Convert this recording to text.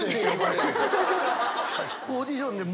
オーディションで。